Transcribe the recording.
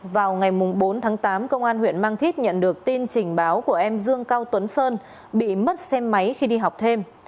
vào ngày bốn tháng tám công an huyện mang thít nhận được tin trình báo của em dương cao tuấn sơn bị mất xe máy khi đi học thêm